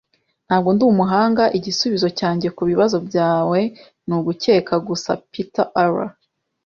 Ntabwo ndi umuhanga, igisubizo cyanjye kubibazo byawe ni ugukeka gusa. (PeterR)